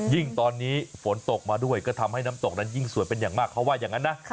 ยิ่งตอนนี้ฝนตกมาด้วยก็ทำให้น้ำตกนั้นยิ่งสวยเป็นอย่างมากเขาว่าอย่างนั้นนะ